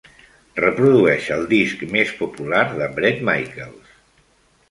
Reprodueix el disc més popular de Bret Michaels